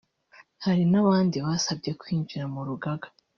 Hari n’abandi basabye kwinjira mu rugaga